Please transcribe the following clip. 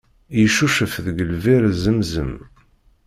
Yeccucef deg lbir zemzem.